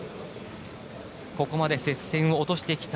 ここまで接戦を落としてきた